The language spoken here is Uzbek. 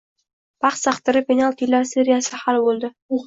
Bahs taqdiri penaltilar seriyasida hal bo‘ldi